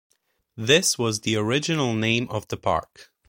This was the original name of the park.